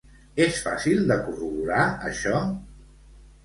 És fàcil de corroborar, això?